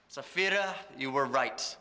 saphira kamu benar